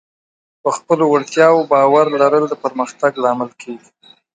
په خپلو وړتیاوو باور لرل د پرمختګ لامل کېږي.